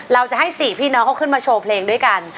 เราจะให้๔พี่น้องเขาขึ้นมาโชว์เพลงด้วยกัน